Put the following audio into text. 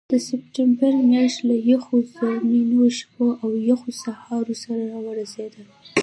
د سپټمبر میاشت له یخو زمرینو شپو او یخو سهارو سره راورسېده.